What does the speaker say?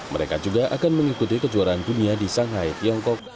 mereka juga akan mengikuti kejuaraan dunia di shanghai tiongkok